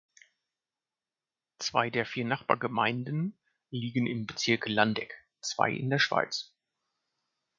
Zwei der vier Nachbargemeinden liegen im Bezirk Landeck, zwei in der Schweiz.